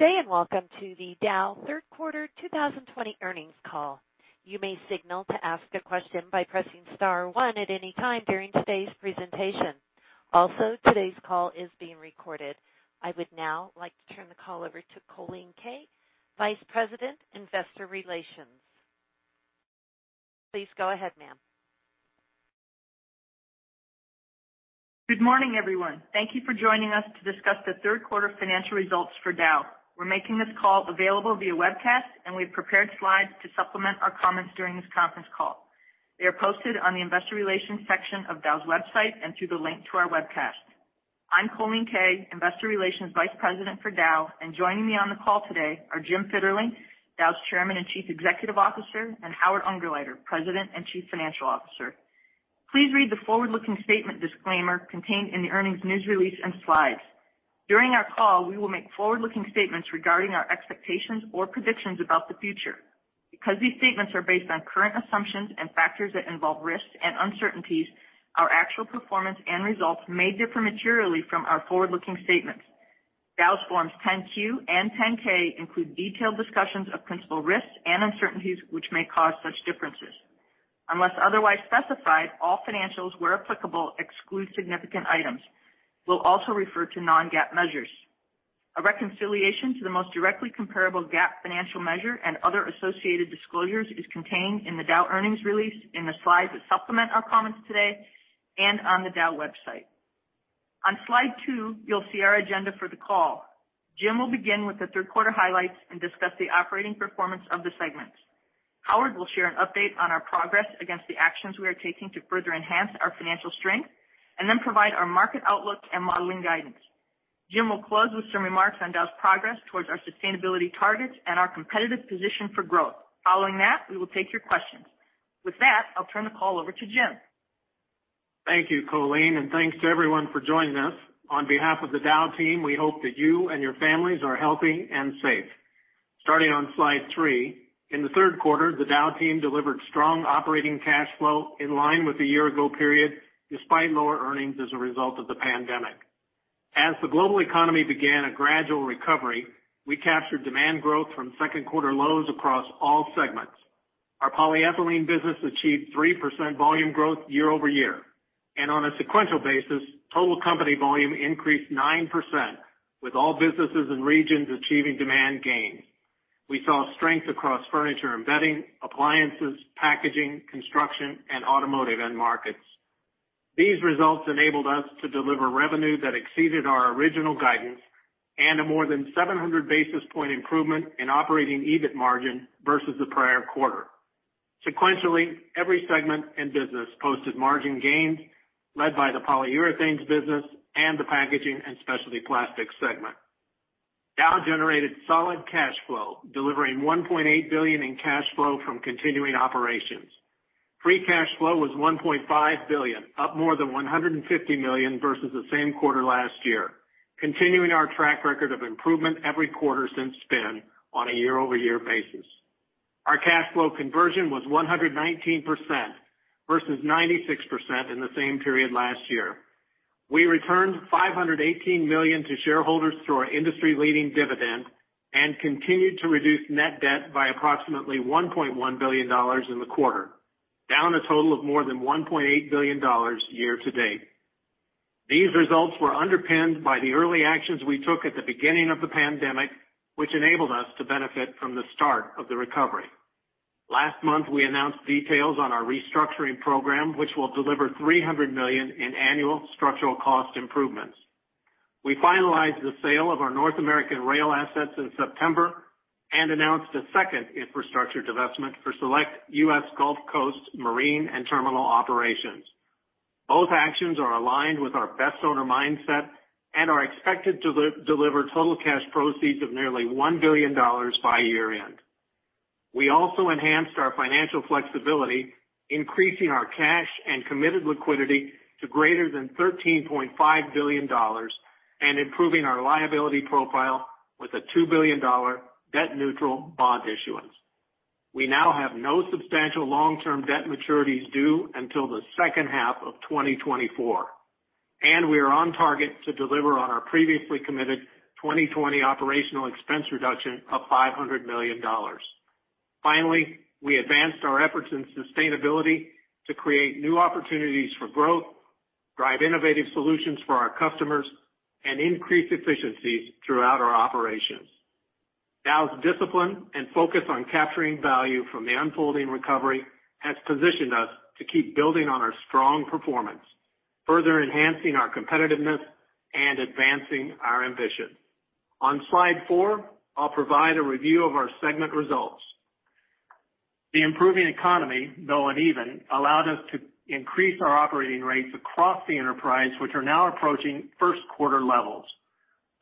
Good day, and welcome to the Dow Third Quarter 2020 earnings call. You may signal to ask a question by pressing star one at any time during today's presentation. Also, today's call is being recorded. I would now like to turn the call over to Colleen Kay, Vice President, Investor Relations. Please go ahead, ma'am. Good morning, everyone. Thank you for joining us to discuss the third quarter financial results for Dow. We're making this call available via webcast, and we've prepared slides to supplement our comments during this conference call. They are posted on the investor relations section of Dow's website and through the link to our webcast. I'm Colleen Kay, Investor Relations Vice President for Dow, and joining me on the call today are Jim Fitterling, Dow's Chairman and Chief Executive Officer, and Howard Ungerleider, President and Chief Financial Officer. Please read the forward-looking statement disclaimer contained in the earnings news release and slides. During our call, we will make forward-looking statements regarding our expectations or predictions about the future. Because these statements are based on current assumptions and factors that involve risks and uncertainties, our actual performance and results may differ materially from our forward-looking statements. Dow's Forms 10-Q and 10-K include detailed discussions of principal risks and uncertainties, which may cause such differences. Unless otherwise specified, all financials where applicable exclude significant items. We'll also refer to non-GAAP measures. A reconciliation to the most directly comparable GAAP financial measure and other associated disclosures is contained in the Dow earnings release, in the slides that supplement our comments today, and on the Dow website. On Slide two, you'll see our agenda for the call. Jim will begin with the third quarter highlights and discuss the operating performance of the segments. Howard will share an update on our progress against the actions we are taking to further enhance our financial strength and then provide our market outlook and modeling guidance. Jim will close with some remarks on Dow's progress towards our sustainability targets and our competitive position for growth. Following that, we will take your questions. With that, I'll turn the call over to Jim. Thank you, Colleen, and thanks to everyone for joining us. On behalf of the Dow team, we hope that you and your families are healthy and safe. Starting on Slide three, in the third quarter, the Dow team delivered strong operating cash flow in line with the year ago period, despite lower earnings as a result of the pandemic. As the global economy began a gradual recovery, we captured demand growth from second quarter lows across all segments. Our polyethylene business achieved 3% volume growth year over year. On a sequential basis, total company volume increased 9%, with all businesses and regions achieving demand gains. We saw strength across furniture and bedding, appliances, packaging, construction, and automotive end markets. These results enabled us to deliver revenue that exceeded our original guidance and a more than 700 basis point improvement in operating EBIT margin versus the prior quarter. Sequentially, every segment and business posted margin gains, led by the polyurethanes business and the Packaging & Specialty Plastics segment. Dow generated solid cash flow, delivering $1.8 billion in cash flow from continuing operations. Free cash flow was $1.5 billion, up more than $150 million versus the same quarter last year, continuing our track record of improvement every quarter since spin on a year-over-year basis. Our cash flow conversion was 119% versus 96% in the same period last year. We returned $518 million to shareholders through our industry-leading dividend and continued to reduce net debt by approximately $1.1 billion in the quarter, down a total of more than $1.8 billion year to date. These results were underpinned by the early actions we took at the beginning of the pandemic, which enabled us to benefit from the start of the recovery. Last month, we announced details on our restructuring program, which will deliver $300 million in annual structural cost improvements. We finalized the sale of our North American rail assets in September and announced a second infrastructure divestment for select U.S. Gulf Coast marine and terminal operations. Both actions are aligned with our best owner mindset and are expected to deliver total cash proceeds of nearly $1 billion by year end. We also enhanced our financial flexibility, increasing our cash and committed liquidity to greater than $13.5 billion and improving our liability profile with a $2 billion debt neutral bond issuance. We now have no substantial long-term debt maturities due until the second half of 2024, and we are on target to deliver on our previously committed 2020 operational expense reduction of $500 million. Finally, we advanced our efforts in sustainability to create new opportunities for growth, drive innovative solutions for our customers, and increase efficiencies throughout our operations. Dow's discipline and focus on capturing value from the unfolding recovery has positioned us to keep building on our strong performance, further enhancing our competitiveness and advancing our ambition. On Slide four, I'll provide a review of our segment results. The improving economy, though uneven, allowed us to increase our operating rates across the enterprise, which are now approaching first quarter levels.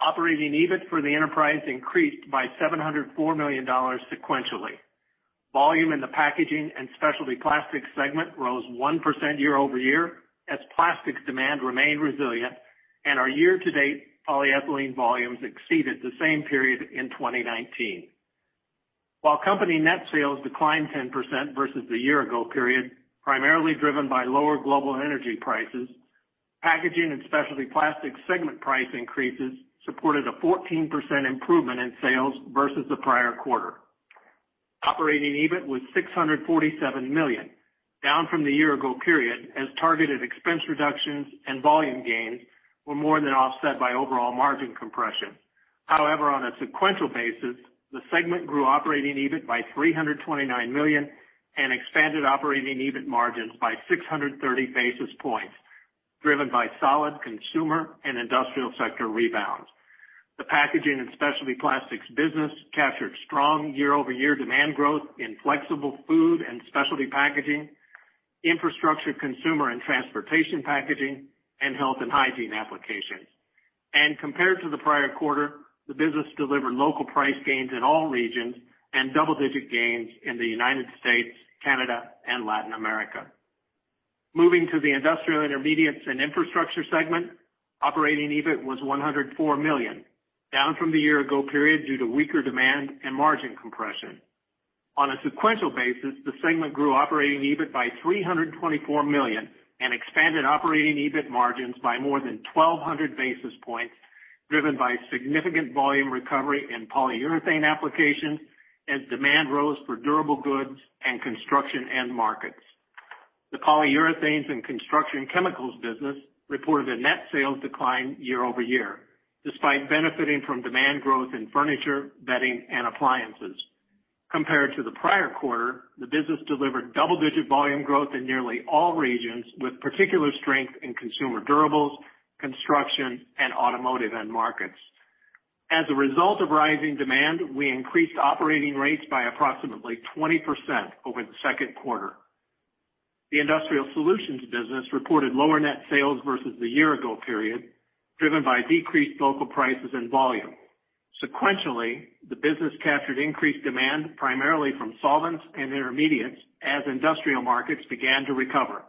Operating EBIT for the enterprise increased by $704 million sequentially. Volume in the Packaging & Specialty Plastics segment rose 1% year-over-year as plastics demand remained resilient and our year-to-date polyethylene volumes exceeded the same period in 2019. Company net sales declined 10% versus the year-ago period, primarily driven by lower global energy prices, Packaging & Specialty Plastics segment price increases supported a 14% improvement in sales versus the prior quarter. Operating EBIT was $647 million, down from the year-ago period as targeted expense reductions and volume gains were more than offset by overall margin compression. On a sequential basis, the segment grew operating EBIT by $329 million and expanded operating EBIT margins by 630 basis points, driven by solid consumer and industrial sector rebounds. The Packaging & Specialty Plastics business captured strong year-over-year demand growth in flexible food and specialty packaging, infrastructure, consumer and transportation packaging, and health and hygiene applications. Compared to the prior quarter, the business delivered local price gains in all regions and double-digit gains in the U.S., Canada, and Latin America. Moving to the Industrial Intermediates and Infrastructure segment, operating EBIT was $104 million, down from the year-ago period due to weaker demand and margin compression. On a sequential basis, the segment grew operating EBIT by $324 million and expanded operating EBIT margins by more than 1,200 basis points, driven by significant volume recovery in polyurethane applications as demand rose for durable goods and construction end markets. The Polyurethanes and Construction Chemicals business reported a net sales decline year-over-year, despite benefiting from demand growth in furniture, bedding, and appliances. Compared to the prior quarter, the business delivered double-digit volume growth in nearly all regions, with particular strength in consumer durables, construction, and automotive end markets. As a result of rising demand, we increased operating rates by approximately 20% over the second quarter. The Industrial Solutions business reported lower net sales versus the year-ago period, driven by decreased local prices and volume. Sequentially, the business captured increased demand, primarily from solvents and intermediates, as industrial markets began to recover.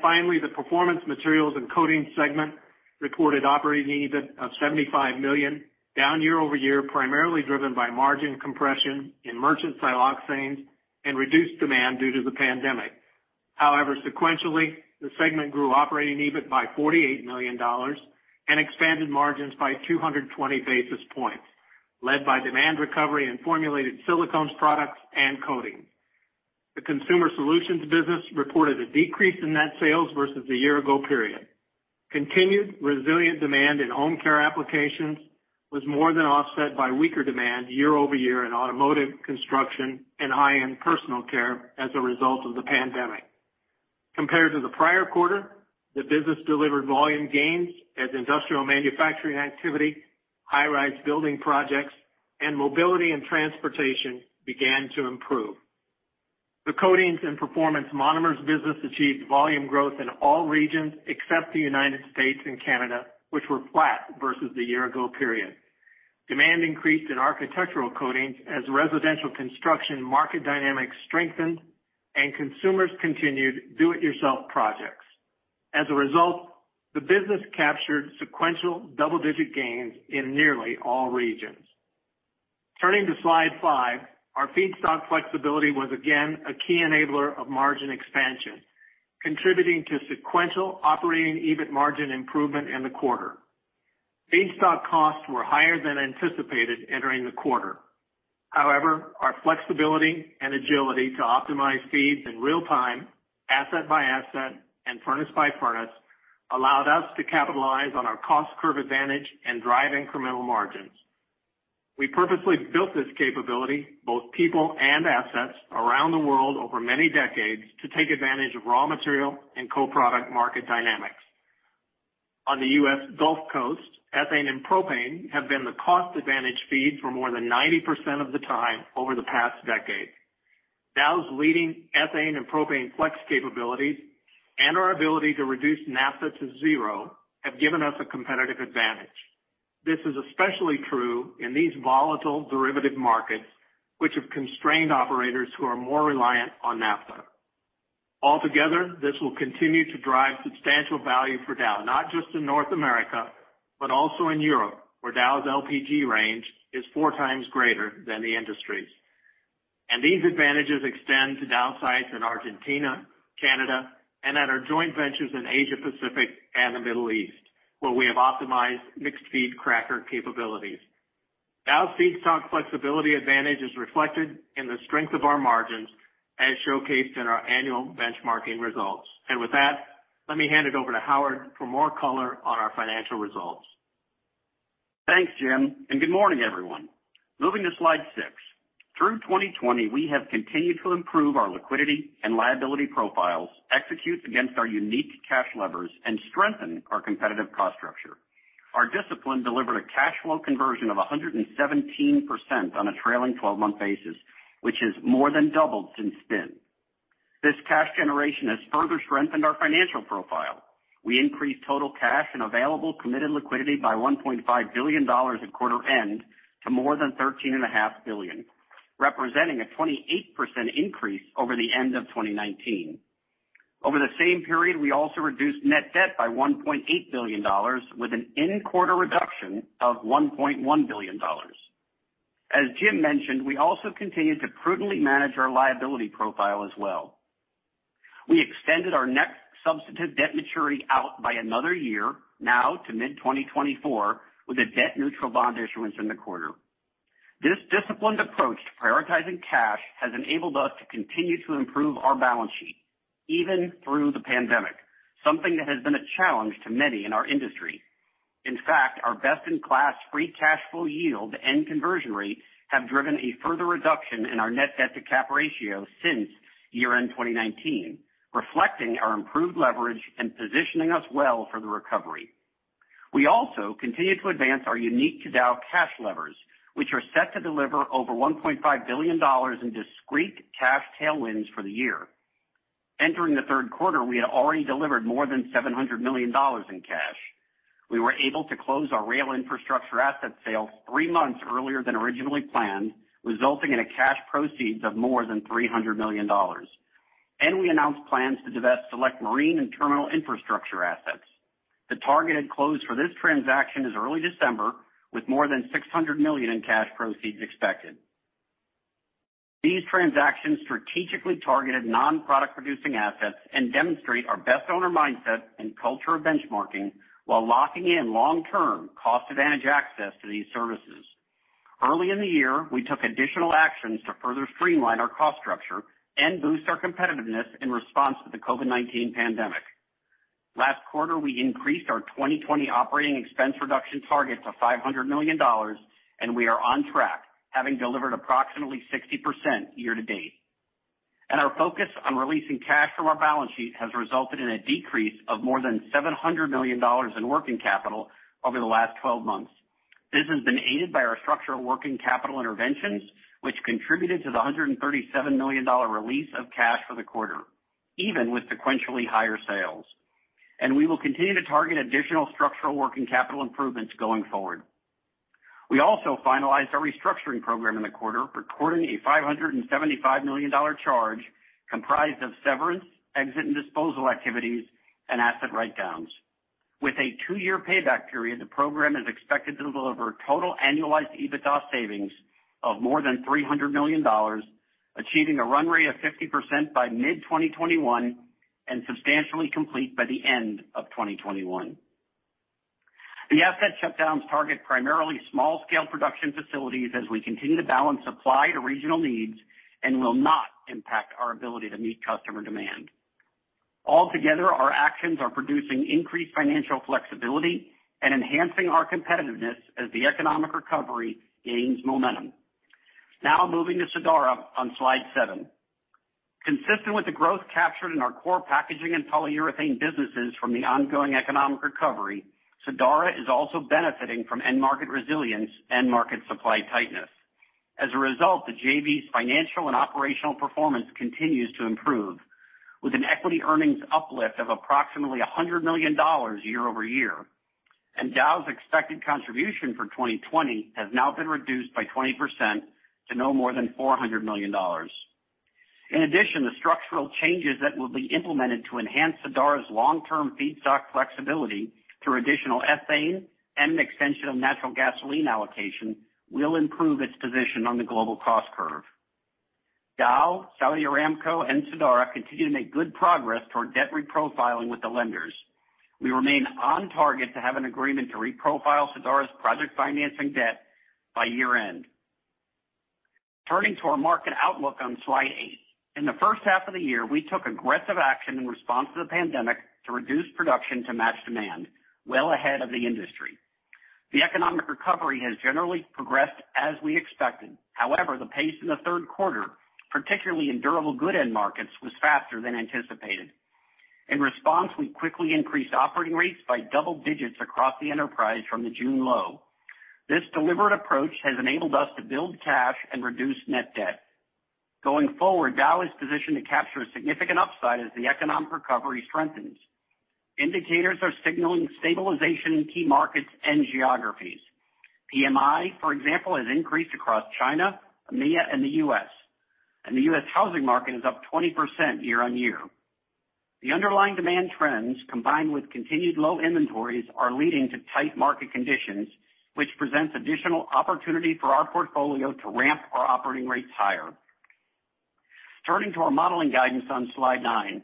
Finally, the Performance Materials and Coatings segment reported operating EBIT of $75 million, down year-over-year, primarily driven by margin compression in merchant siloxanes and reduced demand due to the pandemic. However, sequentially, the segment grew operating EBIT by $48 million and expanded margins by 220 basis points, led by demand recovery in formulated silicones products and coatings. The Consumer Solutions business reported a decrease in net sales versus the year-ago period. Continued resilient demand in home care applications was more than offset by weaker demand year-over-year in automotive, construction, and high-end personal care as a result of the pandemic. Compared to the prior quarter, the business delivered volume gains as industrial manufacturing activity, high-rise building projects, and mobility and transportation began to improve. The Coatings and Performance Monomers business achieved volume growth in all regions except the United States and Canada, which were flat versus the year ago period. Demand increased in architectural coatings as residential construction market dynamics strengthened and consumers continued do-it-yourself projects. As a result, the business captured sequential double-digit gains in nearly all regions. Turning to slide five, our feedstock flexibility was again a key enabler of margin expansion, contributing to sequential operating EBIT margin improvement in the quarter. Feedstock costs were higher than anticipated entering the quarter. However, our flexibility and agility to optimize feeds in real time, asset by asset, and furnace by furnace, allowed us to capitalize on our cost curve advantage and drive incremental margins. We purposely built this capability, both people and assets, around the world over many decades to take advantage of raw material and co-product market dynamics. On the U.S. Gulf Coast, ethane and propane have been the cost-advantage feed for more than 90% of the time over the past decade. Dow's leading ethane and propane flex capabilities and our ability to reduce naphtha to zero have given us a competitive advantage. This is especially true in these volatile derivative markets, which have constrained operators who are more reliant on naphtha. Altogether, this will continue to drive substantial value for Dow, not just in North America, but also in Europe, where Dow's LPG range is four times greater than the industry's. These advantages extend to Dow sites in Argentina, Canada, and at our joint ventures in Asia Pacific and the Middle East, where we have optimized mixed feed cracker capabilities. Dow's feedstock flexibility advantage is reflected in the strength of our margins, as showcased in our annual benchmarking results. With that, let me hand it over to Howard for more color on our financial results. Thanks, Jim, and good morning, everyone. Moving to slide six. Through 2020, we have continued to improve our liquidity and liability profiles, execute against our unique cash levers, and strengthen our competitive cost structure. Our discipline delivered a cash flow conversion of 117% on a trailing 12-month basis, which has more than doubled since spin. This cash generation has further strengthened our financial profile. We increased total cash and available committed liquidity by $1.5 billion at quarter end to more than $13.5 billion, representing a 28% increase over the end of 2019. Over the same period, we also reduced net debt by $1.8 billion with an in-quarter reduction of $1.1 billion. As Jim mentioned, we also continued to prudently manage our liability profile as well. We extended our next substantive debt maturity out by another year, now to mid-2024, with a debt neutral bond issuance in the quarter. This disciplined approach to prioritizing cash has enabled us to continue to improve our balance sheet, even through the pandemic, something that has been a challenge to many in our industry. Our best-in-class free cash flow yield and conversion rate have driven a further reduction in our net debt to cap ratio since year-end 2019, reflecting our improved leverage and positioning us well for the recovery. We also continue to advance our unique Dow cash levers, which are set to deliver over $1.5 billion in discrete cash tailwinds for the year. Entering the third quarter, we had already delivered more than $700 million in cash. We were able to close our rail infrastructure asset sale three months earlier than originally planned, resulting in a cash proceeds of more than $300 million. We announced plans to divest select marine and terminal infrastructure assets. The targeted close for this transaction is early December, with more than $600 million in cash proceeds expected. These transactions strategically targeted non-product producing assets and demonstrate our best owner mindset and culture of benchmarking while locking in long-term cost advantage access to these services. Early in the year, we took additional actions to further streamline our cost structure and boost our competitiveness in response to the COVID-19 pandemic. Last quarter, we increased our 2020 operating expense reduction target to $500 million. We are on track, having delivered approximately 60% year to date. Our focus on releasing cash from our balance sheet has resulted in a decrease of more than $700 million in working capital over the last 12 months. This has been aided by our structural working capital interventions, which contributed to the $137 million release of cash for the quarter, even with sequentially higher sales. We will continue to target additional structural working capital improvements going forward. We also finalized our restructuring program in the quarter, recording a $575 million charge comprised of severance, exit and disposal activities, and asset write-downs. With a two-year payback period, the program is expected to deliver total annualized EBITDA savings of more than $300 million, achieving a run rate of 50% by mid-2021 and substantially complete by the end of 2021. The asset shutdowns target primarily small-scale production facilities as we continue to balance supply to regional needs and will not impact our ability to meet customer demand. Altogether, our actions are producing increased financial flexibility and enhancing our competitiveness as the economic recovery gains momentum. Moving to Sadara on slide seven. Consistent with the growth captured in our core packaging and polyurethane businesses from the ongoing economic recovery, Sadara is also benefiting from end market resilience and market supply tightness. As a result, the JV's financial and operational performance continues to improve, with an equity earnings uplift of approximately $100 million year-over-year, and Dow's expected contribution for 2020 has now been reduced by 20% to no more than $400 million. In addition, the structural changes that will be implemented to enhance Sadara's long-term feedstock flexibility through additional ethane and an extension of natural gasoline allocation will improve its position on the global cost curve. Dow, Saudi Aramco, and Sadara continue to make good progress toward debt reprofiling with the lenders. We remain on target to have an agreement to reprofile Sadara's project financing debt by year-end. Turning to our market outlook on slide eight. In the first half of the year, we took aggressive action in response to the pandemic to reduce production to match demand, well ahead of the industry. The economic recovery has generally progressed as we expected. However, the pace in the third quarter, particularly in durable good end markets, was faster than anticipated. In response, we quickly increased operating rates by double digits across the enterprise from the June low. This deliberate approach has enabled us to build cash and reduce net debt. Going forward, Dow is positioned to capture a significant upside as the economic recovery strengthens. Indicators are signaling stabilization in key markets and geographies. PMI, for example, has increased across China, EMEA, and the U.S., and the U.S. housing market is up 20% year-on-year. The underlying demand trends, combined with continued low inventories, are leading to tight market conditions, which presents additional opportunity for our portfolio to ramp our operating rates higher. Turning to our modeling guidance on slide nine.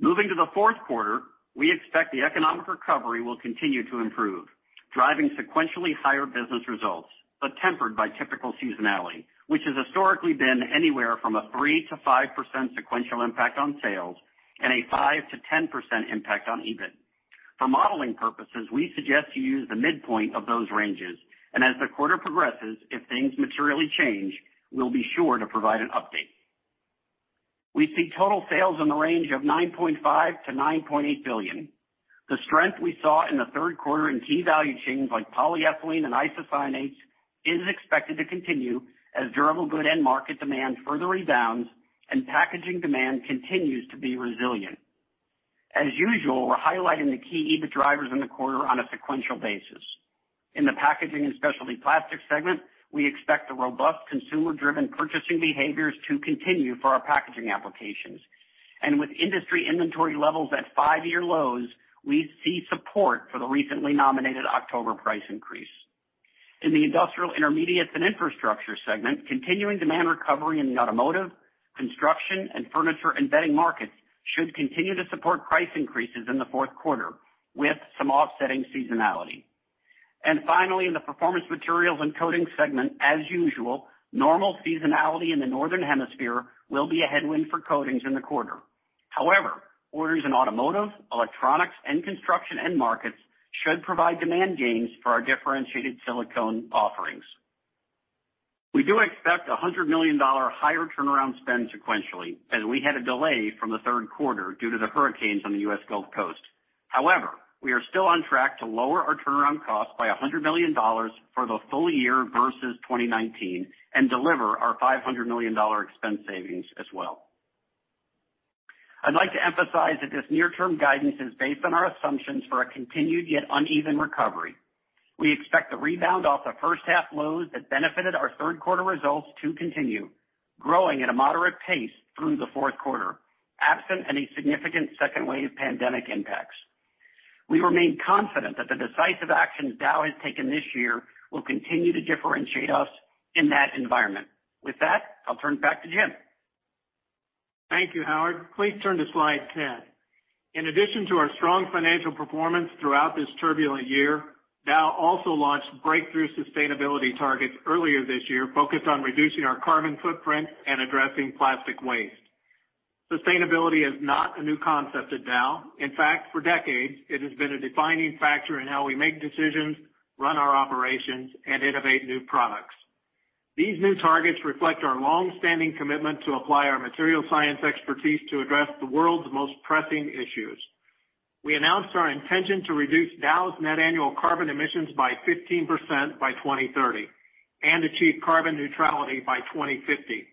Moving to the fourth quarter, we expect the economic recovery will continue to improve, driving sequentially higher business results, but tempered by typical seasonality, which has historically been anywhere from a 3%-5% sequential impact on sales and a 5%-10% impact on EBIT. For modeling purposes, we suggest you use the midpoint of those ranges, and as the quarter progresses, if things materially change, we'll be sure to provide an update. We see total sales in the range of $9.5 billion-$9.8 billion. The strength we saw in the third quarter in key value chains like polyethylene and isocyanates is expected to continue as durable good end market demand further rebounds and packaging demand continues to be resilient. As usual, we're highlighting the key EBIT drivers in the quarter on a sequential basis. In the Packaging & Specialty Plastics segment, we expect the robust consumer-driven purchasing behaviors to continue for our packaging applications. With industry inventory levels at five-year lows, we see support for the recently nominated October price increase. In the Industrial Intermediates & Infrastructure segment, continuing demand recovery in the automotive, construction, and furniture and bedding markets should continue to support price increases in the fourth quarter, with some offsetting seasonality. Finally, in the Performance Materials & Coatings segment, as usual, normal seasonality in the Northern Hemisphere will be a headwind for coatings in the quarter. Orders in automotive, electronics, and construction end markets should provide demand gains for our differentiated silicone offerings. We do expect $100 million higher turnaround spend sequentially, as we had a delay from the third quarter due to the hurricanes on the U.S. Gulf Coast. We are still on track to lower our turnaround costs by $100 million for the full year versus 2019 and deliver our $500 million expense savings as well. I'd like to emphasize that this near-term guidance is based on our assumptions for a continued, yet uneven recovery. We expect the rebound off the first half lows that benefited our third quarter results to continue, growing at a moderate pace through the fourth quarter, absent any significant second wave pandemic impacts. We remain confident that the decisive actions Dow has taken this year will continue to differentiate us in that environment. With that, I'll turn it back to Jim. Thank you, Howard. Please turn to slide 10. In addition to our strong financial performance throughout this turbulent year, Dow also launched breakthrough sustainability targets earlier this year, focused on reducing our carbon footprint and addressing plastic waste. Sustainability is not a new concept at Dow. In fact, for decades, it has been a defining factor in how we make decisions, run our operations, and innovate new products. These new targets reflect our longstanding commitment to apply our material science expertise to address the world's most pressing issues. We announced our intention to reduce Dow's net annual carbon emissions by 15% by 2030 and achieve carbon neutrality by 2050.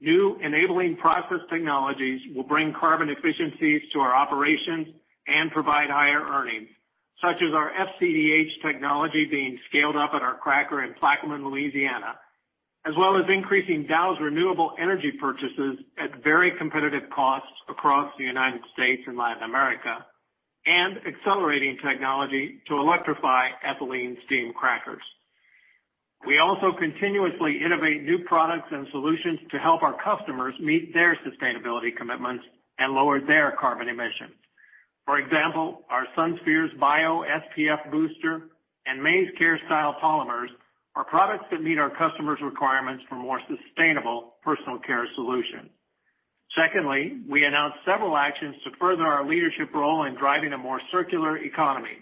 New enabling process technologies will bring carbon efficiencies to our operations and provide higher earnings, such as our FCDH technology being scaled up at our cracker in Plaquemine, Louisiana, as well as increasing Dow's renewable energy purchases at very competitive costs across the United States and Latin America, and accelerating technology to electrify ethylene steam crackers. We also continuously innovate new products and solutions to help our customers meet their sustainability commitments and lower their carbon emissions. For example, our SunSpheres BIO SPF Booster and MaizeCare Style polymers are products that meet our customers' requirements for more sustainable personal care solutions. Secondly, we announced several actions to further our leadership role in driving a more circular economy.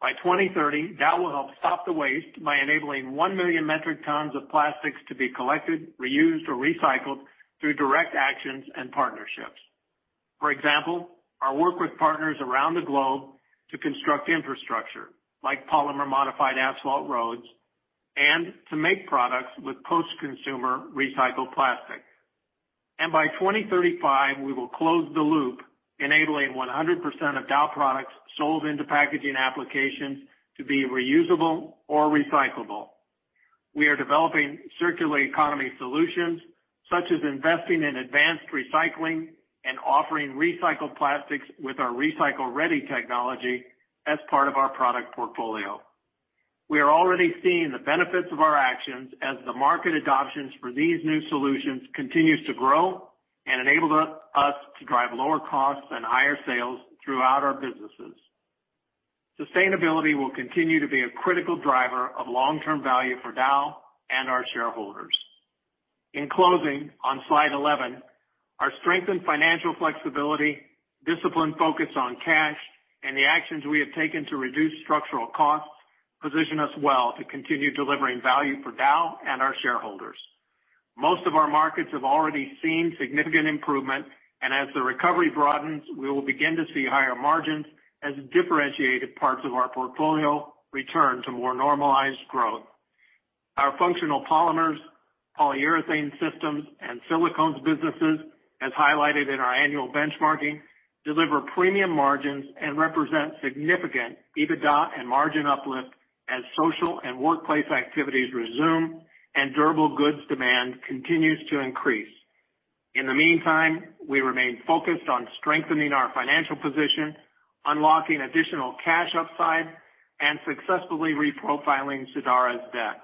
By 2030, Dow will help stop the waste by enabling one million metric tons of plastics to be collected, reused, or recycled through direct actions and partnerships. For example, our work with partners around the globe to construct infrastructure, like polymer modified asphalt roads, and to make products with post-consumer recycled plastic. By 2035, we will close the loop, enabling 100% of Dow products sold into packaging applications to be reusable or recyclable. We are developing circular economy solutions, such as investing in advanced recycling and offering recycled plastics with our recycle-ready technology as part of our product portfolio. We are already seeing the benefits of our actions as the market adoptions for these new solutions continues to grow and enable us to drive lower costs and higher sales throughout our businesses. Sustainability will continue to be a critical driver of long-term value for Dow and our shareholders. In closing, on slide 11, our strengthened financial flexibility, disciplined focus on cash, and the actions we have taken to reduce structural costs position us well to continue delivering value for Dow and our shareholders. Most of our markets have already seen significant improvement, and as the recovery broadens, we will begin to see higher margins as differentiated parts of our portfolio return to more normalized growth. Our functional polymers, polyurethane systems, and silicones businesses, as highlighted in our annual benchmarking, deliver premium margins and represent significant EBITDA and margin uplift as social and workplace activities resume and durable goods demand continues to increase. In the meantime, we remain focused on strengthening our financial position, unlocking additional cash upside, and successfully reprofiling Sadara's debt.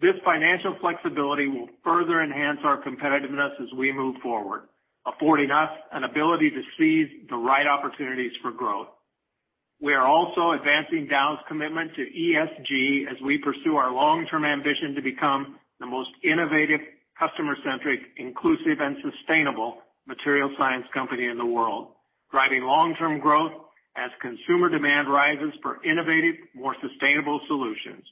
This financial flexibility will further enhance our competitiveness as we move forward, affording us an ability to seize the right opportunities for growth. We are also advancing Dow's commitment to ESG as we pursue our long-term ambition to become the most innovative, customer-centric, inclusive, and sustainable material science company in the world, driving long-term growth as consumer demand rises for innovative, more sustainable solutions.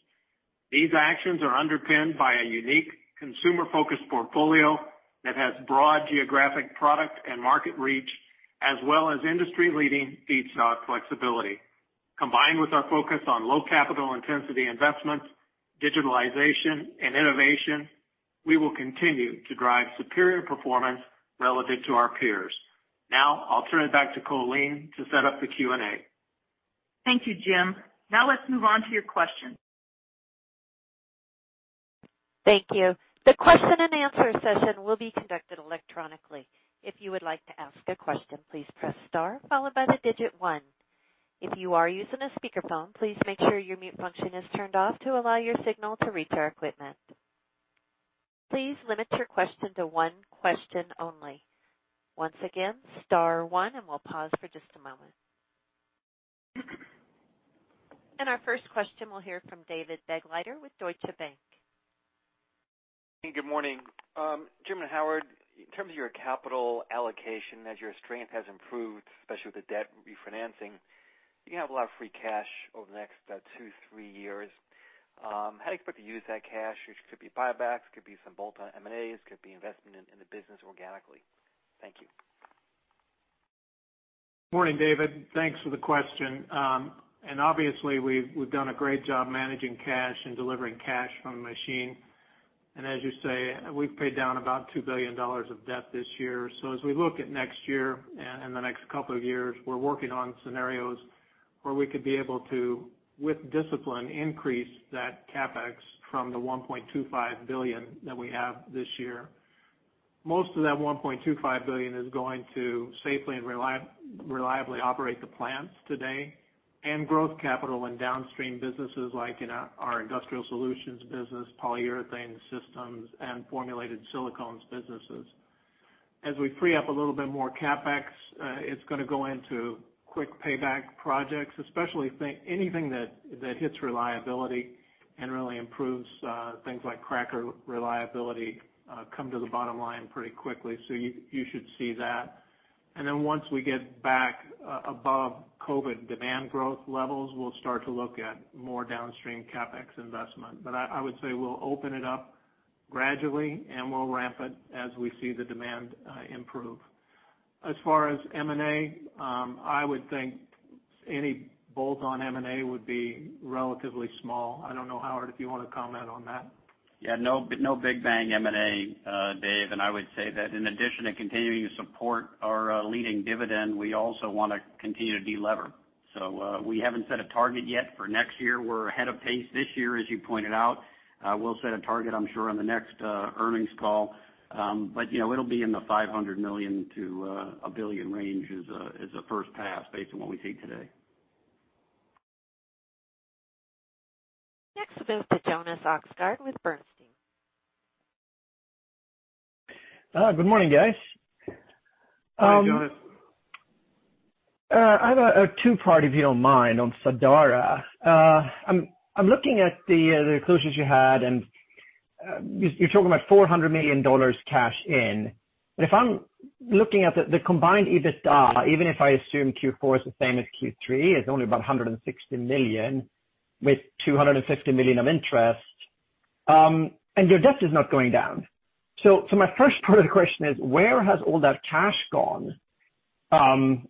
These actions are underpinned by a unique consumer-focused portfolio that has broad geographic product and market reach, as well as industry-leading feedstock flexibility. Combined with our focus on low capital intensity investments, digitalization, and innovation, we will continue to drive superior performance relative to our peers. I'll turn it back to Colleen to set up the Q&A. Thank you, Jim. Now let's move on to your questions. Thank you. The question and answer session will be conducted electronically. If you would like to ask a question, please press star followed by the digit one. If you are using a speakerphone, please make sure your mute function is turned off to allow your signal to reach our equipment. Please limit your question to one question only. Once again, star one, and we'll pause for just a moment. Our first question, we'll hear from David Begleiter with Deutsche Bank. Hey, good morning. Jim and Howard, in terms of your capital allocation as your strength has improved, especially with the debt refinancing, you're going to have a lot of free cash over the next two, three years. How do you expect to use that cash? It could be buybacks, could be some bolt-on M&As, could be investment in the business organically. Thank you. Morning, David. Thanks for the question. Obviously, we've done a great job managing cash and delivering cash from the machine. As you say, we've paid down about $2 billion of debt this year. As we look at next year and the next couple of years, we're working on scenarios where we could be able to, with discipline, increase that CapEx from the $1.25 billion that we have this year. Most of that $1.25 billion is going to safely and reliably operate the plants today, and growth capital in downstream businesses like in our Industrial Solutions business, Polyurethane Systems, and Formulated Silicones businesses. As we free up a little bit more CapEx, it's going to go into quick payback projects, especially anything that hits reliability and really improves things like cracker reliability come to the bottom line pretty quickly. You should see that. Once we get back above COVID demand growth levels, we'll start to look at more downstream CapEx investment. I would say we'll open it up gradually, and we'll ramp it as we see the demand improve. As far as M&A, I would think any bolt-on M&A would be relatively small. I don't know, Howard, if you want to comment on that. Yeah. No big bang M&A, Dave. I would say that in addition to continuing to support our leading dividend, we also want to continue to de-lever. We haven't set a target yet for next year. We're ahead of pace this year, as you pointed out. We'll set a target, I'm sure, on the next earnings call. It'll be in the $500 million-$1 billion range as a first pass based on what we see today. Next, we'll go to Jonas Oxgaard with Bernstein. Good morning, guys. Hi, Jonas. I have a two-part, if you don't mind, on Sadara. I'm looking at the disclosures you had, and you're talking about $400 million cash in. If I'm looking at the combined EBITDA, even if I assume Q4 is the same as Q3, it's only about $160 million with $250 million of interest, and your debt is not going down. My first part of the question is, where has all that cash gone?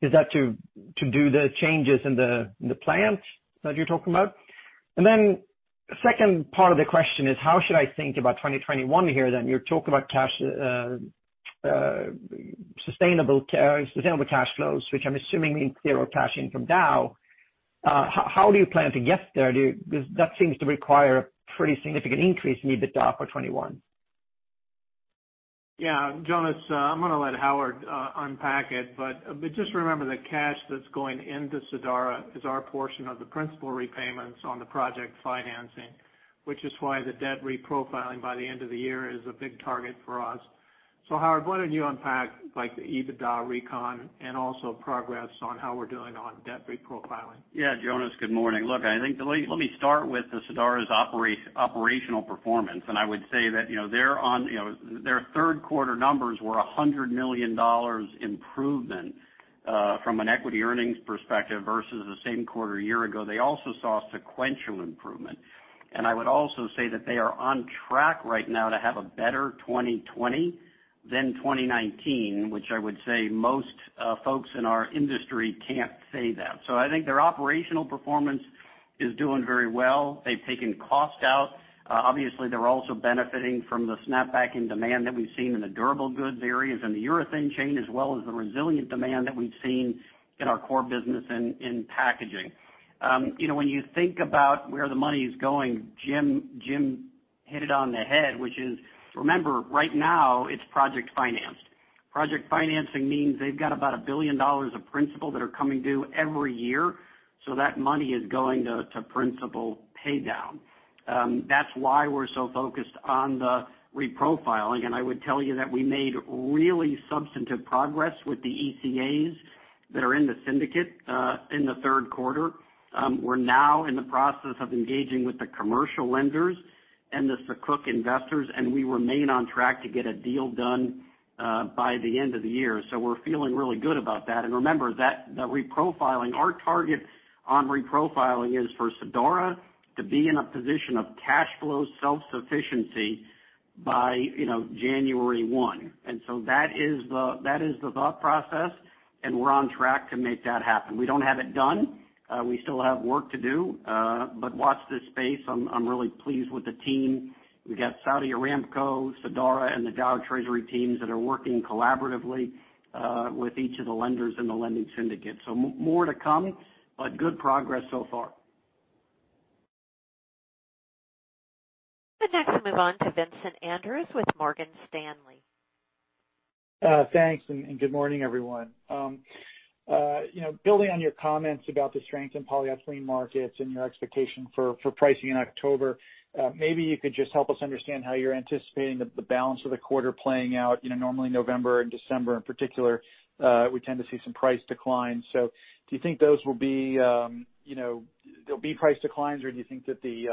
Is that to do the changes in the plant that you're talking about? Second part of the question is, how should I think about 2021 here, then? You're talking about sustainable cash flows, which I'm assuming means zero cash in from Dow. How do you plan to get there? That seems to require a pretty significant increase in EBITDA for 2021. Jonas, I'm going to let Howard unpack it, but just remember the cash that's going into Sadara is our portion of the principal repayments on the project financing, which is why the debt reprofiling by the end of the year is a big target for us. Howard, why don't you unpack the EBITDA recon and also progress on how we're doing on debt reprofiling? Jonas, good morning. Let me start with Sadara's operational performance, and I would say that their third quarter numbers were $100 million improvement from an equity earnings perspective versus the same quarter a year ago. They also saw sequential improvement. I would also say that they are on track right now to have a better 2020 than 2019, which I would say most folks in our industry can't say that. I think their operational performance is doing very well. They've taken cost out. Obviously, they're also benefiting from the snap back in demand that we've seen in the durable goods areas and the urethane chain, as well as the resilient demand that we've seen in our core business in packaging. When you think about where the money is going, Jim hit it on the head, which is, remember, right now it's project financed. Project financing means they've got about $1 billion of principal that are coming due every year, that money is going to principal pay down. That's why we're so focused on the reprofiling, and I would tell you that we made really substantive progress with the ECAs that are in the syndicate in the third quarter. We're now in the process of engaging with the commercial lenders and the sukuk investors, and we remain on track to get a deal done by the end of the year. We're feeling really good about that. Remember, that reprofiling, our target on reprofiling is for Sadara to be in a position of cash flow self-sufficiency by January 1. That is the thought process, and we're on track to make that happen. We don't have it done. We still have work to do. Watch this space. I'm really pleased with the team. We've got Saudi Aramco, Sadara, and the Dow treasury teams that are working collaboratively with each of the lenders in the lending syndicate. More to come, but good progress so far. We'll next move on to Vincent Andrews with Morgan Stanley. Thanks. Good morning, everyone. Building on your comments about the strength in polyethylene markets and your expectation for pricing in October, maybe you could just help us understand how you're anticipating the balance of the quarter playing out. Normally November and December in particular, we tend to see some price declines. Do you think there'll be price declines, or do you think that the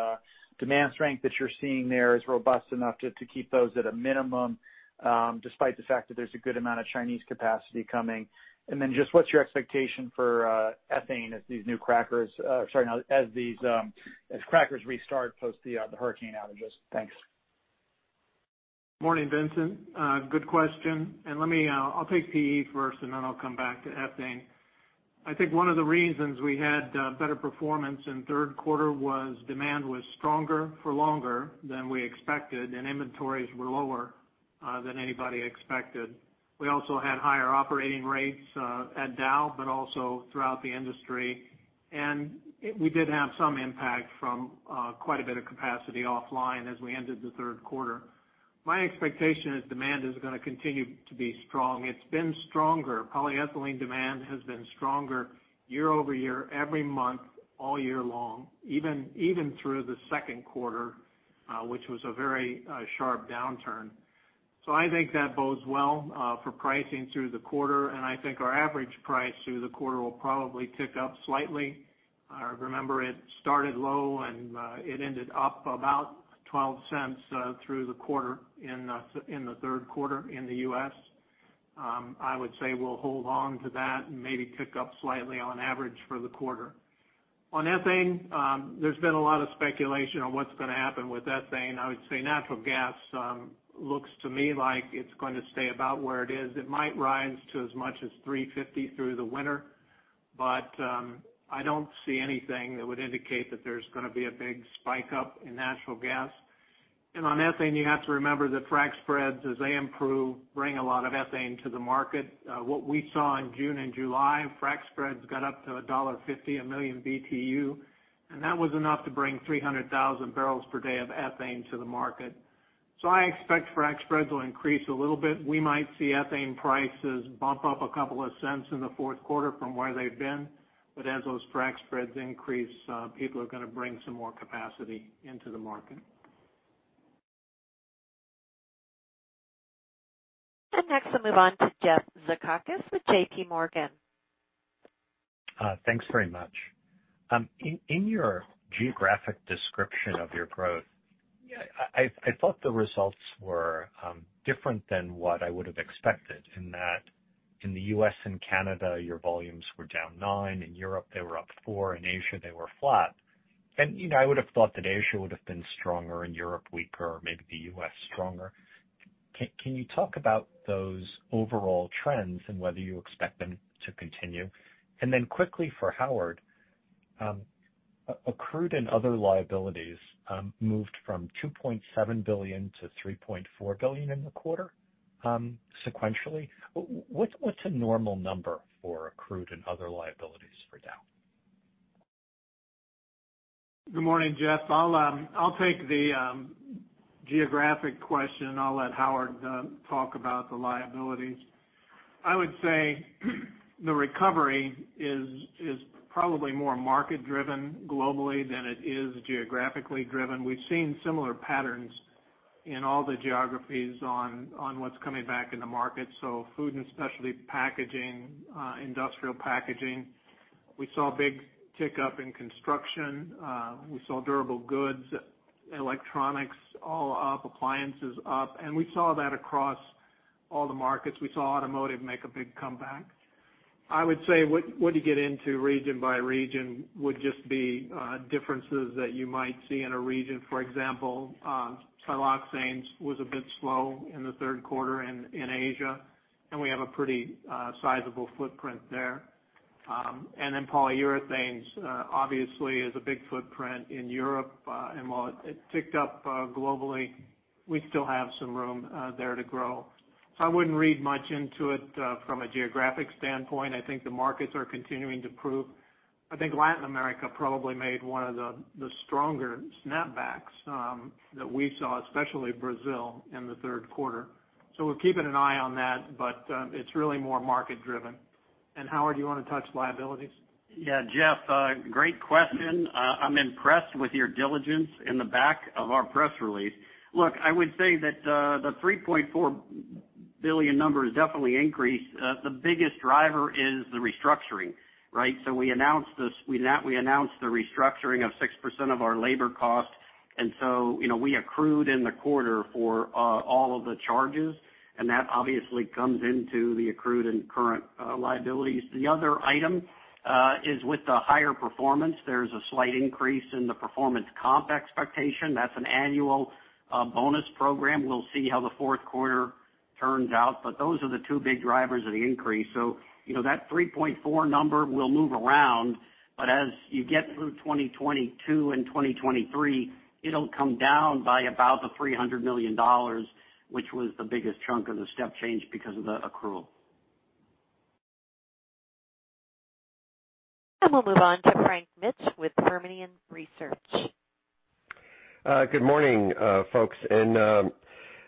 demand strength that you're seeing there is robust enough to keep those at a minimum, despite the fact that there's a good amount of Chinese capacity coming? Just what's your expectation for ethane as crackers restart post the hurricane outages? Thanks. Morning, Vincent. Good question. I'll take PE first, and then I'll come back to ethane. I think one of the reasons we had better performance in third quarter was demand was stronger for longer than we expected, and inventories were lower than anybody expected. We also had higher operating rates at Dow, but also throughout the industry. We did have some impact from quite a bit of capacity offline as we ended the third quarter. My expectation is demand is going to continue to be strong. It's been stronger. Polyethylene demand has been stronger year-over-year, every month, all year long, even through the second quarter, which was a very sharp downturn. I think that bodes well for pricing through the quarter, and I think our average price through the quarter will probably tick up slightly. Remember, it started low, and it ended up about $0.12 through the quarter in the third quarter in the U.S. I would say we'll hold on to that and maybe tick up slightly on average for the quarter. On ethane, there's been a lot of speculation on what's going to happen with ethane. I would say natural gas looks to me like it's going to stay about where it is. It might rise to as much as $3.50 through the winter, but I don't see anything that would indicate that there's going to be a big spike up in natural gas. On ethane, you have to remember that frac spreads, as they improve, bring a lot of ethane to the market. What we saw in June and July, frac spreads got up to $1.50 a million Btu, and that was enough to bring 300,000 barrels per day of ethane to the market. I expect frac spreads will increase a little bit. We might see ethane prices bump up a couple of cents in the fourth quarter from where they've been. As those frac spreads increase, people are going to bring some more capacity into the market. Next, we'll move on to Jeff Zekauskas with JPMorgan. Thanks very much. In your geographic description of your growth, I thought the results were different than what I would have expected in that in the U.S. and Canada, your volumes were down nine. In Europe, they were up four. In Asia, they were flat. I would have thought that Asia would have been stronger, and Europe weaker, maybe the U.S. stronger. Can you talk about those overall trends and whether you expect them to continue? Then quickly for Howard, accrued and other liabilities, moved from $2.7 billion-$3.4 billion in the quarter, sequentially. What's a normal number for accrued and other liabilities for Dow? Good morning, Jeff. I'll take the geographic question, and I'll let Howard talk about the liabilities. I would say the recovery is probably more market driven globally than it is geographically driven. We've seen similar patterns in all the geographies on what's coming back in the market, so food and specialty packaging, industrial packaging. We saw a big tick up in construction. We saw durable goods, electronics, all up, appliances up, and we saw that across all the markets. We saw automotive make a big comeback. I would say when you get into region by region would just be differences that you might see in a region. For example, siloxanes was a bit slow in the third quarter in Asia, and we have a pretty sizable footprint there. Polyurethanes, obviously, is a big footprint in Europe. While it ticked up globally, we still have some room there to grow. I wouldn't read much into it from a geographic standpoint. I think the markets are continuing to prove. I think Latin America probably made one of the stronger snapbacks that we saw, especially Brazil, in the third quarter. We're keeping an eye on that, but it's really more market driven. Howard, do you want to touch liabilities? Yeah. Jeff, great question. I'm impressed with your diligence in the back of our press release. Look, I would say that the $3.4 billion number has definitely increased. The biggest driver is the restructuring, right? We announced the restructuring of 6% of our labor cost, and so we accrued in the quarter for all of the charges, and that obviously comes into the accrued and current liabilities. The other item is with the higher performance, there's a slight increase in the performance comp expectation. That's an annual bonus program. We'll see how the fourth quarter turns out, but those are the two big drivers of the increase. That $3.4 billion number will move around, but as you get through 2022 and 2023, it'll come down by about the $300 million, which was the biggest chunk of the step change because of the accrual. We'll move on to Frank Mitsch with Fermium Research. Good morning, folks. An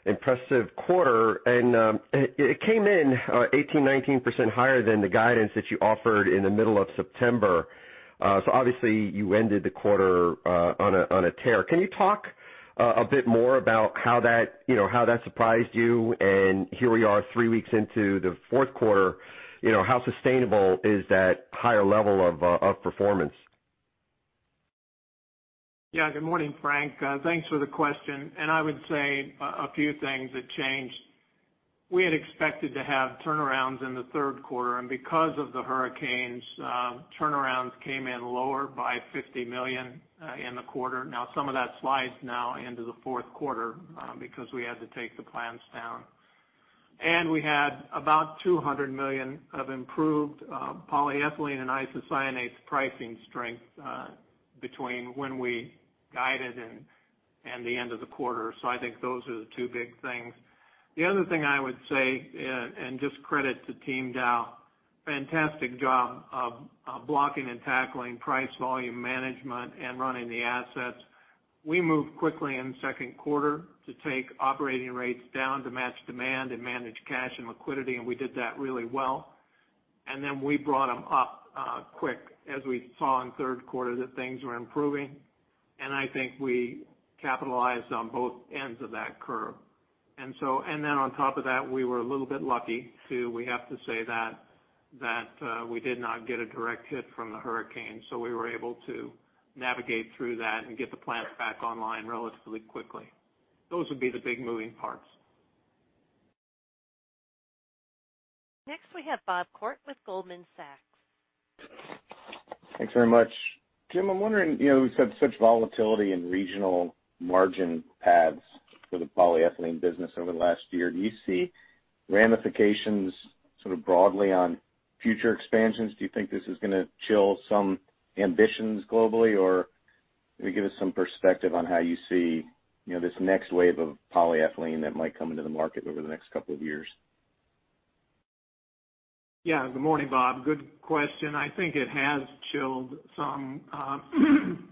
impressive quarter. It came in 18%, 19% higher than the guidance that you offered in the middle of September. Obviously you ended the quarter on a tear. Can you talk a bit more about how that surprised you? Here we are, three weeks into the fourth quarter, how sustainable is that higher level of performance? Good morning, Frank. Thanks for the question. I would say a few things have changed. We had expected to have turnarounds in the third quarter, and because of the hurricanes, turnarounds came in lower by $50 million in the quarter. Some of that slides now into the fourth quarter because we had to take the plants down. We had about $200 million of improved polyethylene and isocyanate pricing strength between when we guided and the end of the quarter. I think those are the two big things. The other thing I would say, and just credit to Team Dow, fantastic job of blocking and tackling price volume management and running the assets. We moved quickly in the second quarter to take operating rates down to match demand and manage cash and liquidity, and we did that really well. We brought them up quick as we saw in the third quarter that things were improving. I think we capitalized on both ends of that curve. On top of that, we were a little bit lucky too. We have to say that we did not get a direct hit from the hurricane, so we were able to navigate through that and get the plants back online relatively quickly. Those would be the big moving parts. Next we have Bob Koort with Goldman Sachs. Thanks very much. Jim, I'm wondering, we've had such volatility in regional margin pads for the polyethylene business over the last year. Do you see ramifications sort of broadly on future expansions? Do you think this is going to chill some ambitions globally? Or maybe give us some perspective on how you see this next wave of polyethylene that might come into the market over the next couple of years. Yeah. Good morning, Bob. Good question. I think it has chilled some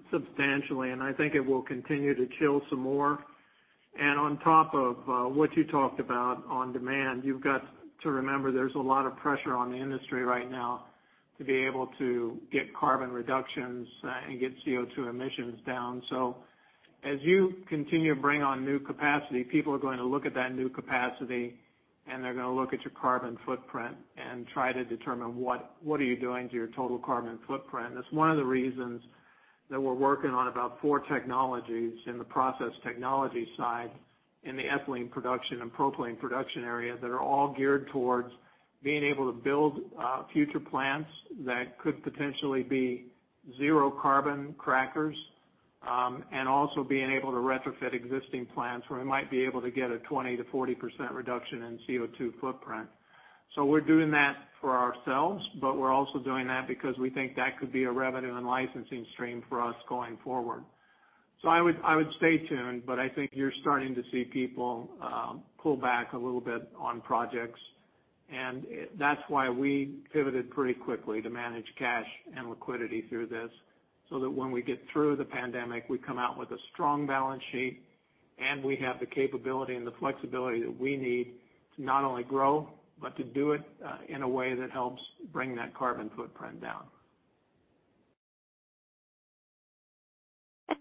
substantially, and I think it will continue to chill some more. On top of what you talked about on demand, you've got to remember there's a lot of pressure on the industry right now to be able to get carbon reductions and get CO₂ emissions down. As you continue to bring on new capacity, people are going to look at that new capacity, and they're going to look at your carbon footprint and try to determine what are you doing to your total carbon footprint. That's one of the reasons that we're working on about four technologies in the process technology side, in the ethylene production and propylene production area that are all geared towards being able to build future plants that could potentially be zero carbon crackers. Also being able to retrofit existing plants where we might be able to get a 20%-40% reduction in CO₂ footprint. We're doing that for ourselves, but we're also doing that because we think that could be a revenue and licensing stream for us going forward. I would stay tuned, but I think you're starting to see people pull back a little bit on projects, and that's why we pivoted pretty quickly to manage cash and liquidity through this, so that when we get through the pandemic, we come out with a strong balance sheet and we have the capability and the flexibility that we need to not only grow, but to do it in a way that helps bring that carbon footprint down.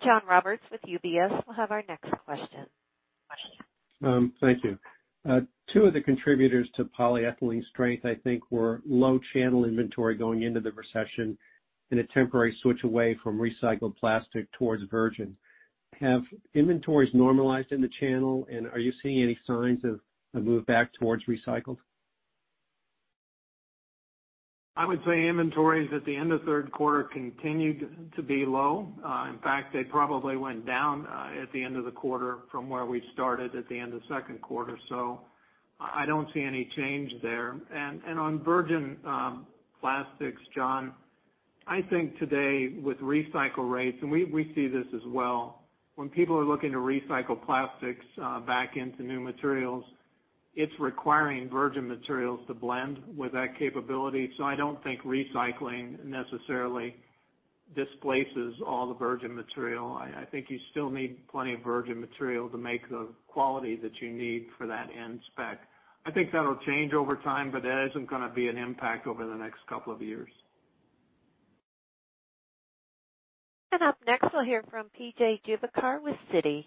John Roberts with UBS will have our next question. Thank you. Two of the contributors to polyethylene strength I think were low channel inventory going into the recession and a temporary switch away from recycled plastic towards virgin. Have inventories normalized in the channel, and are you seeing any signs of a move back towards recycled? I would say inventories at the end of the third quarter continued to be low. In fact, they probably went down at the end of the quarter from where we started at the end of the second quarter. I don't see any change there. On virgin plastics, John, I think today with recycle rates, and we see this as well, when people are looking to recycle plastics back into new materials, it's requiring virgin materials to blend with that capability. I don't think recycling necessarily displaces all the virgin material. I think you still need plenty of virgin material to make the quality that you need for that end spec. I think that'll change over time, but that isn't going to be an impact over the next couple of years. Up next, we'll hear from PJ Juvekar with Citi.